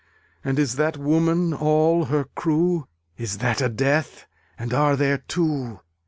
And is that Woman all her crew? Is that a Death? and are there two?